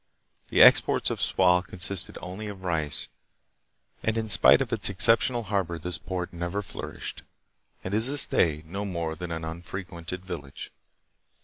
The exports of Sual consisted only of rice, and hi spite of its exceptional harbor this port never flourished, and is to day no more than an unfrequented village.